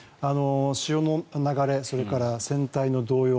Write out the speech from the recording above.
潮の流れ、それから船体の動揺